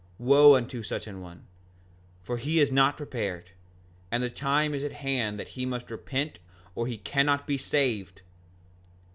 5:31 Wo unto such an one, for he is not prepared, and the time is at hand that he must repent or he cannot be saved!